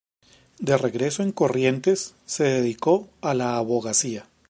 De regreso en Corrientes se dedicó a la abogacía.